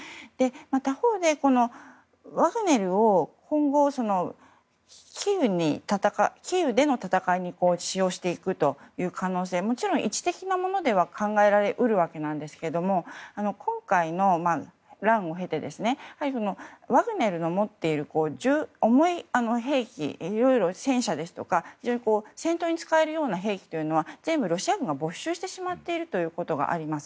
他方でワグネルを今後、キーウでの戦いに使用していくという可能性は位置的なものでは考え得るわけですが今回の乱を経てワグネルの持っている重い兵器戦車ですとか戦闘に使えるような兵器は全部ロシア軍が没収してしまっているところがあります。